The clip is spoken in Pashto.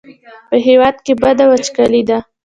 په هېواد کې بده وچکالي ده.